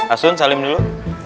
asun salim dulu